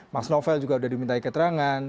mas novel juga sudah dimintai keterangan